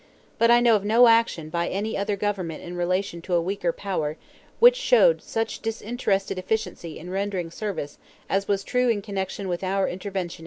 But I know of no action by any other government in relation to a weaker power which showed such disinterested efficiency in rendering service as was true in connection with our intervention in Cuba.